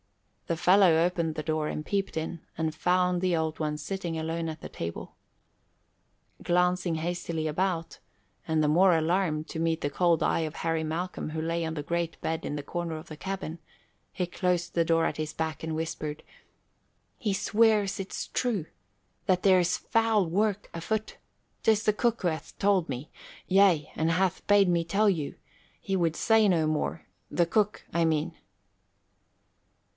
The fellow opened the door and peeped in and found the Old One sitting alone at the table. Glancing hastily about, and the more alarmed to meet the cold eye of Harry Malcolm who lay on the great bed in the corner of the cabin, he closed the door at his back and whispered, "He swears it's true that there's foul work afoot. 'Tis the cook who hath told me yea, and hath bade me tell you. He would say no more the cook, I mean."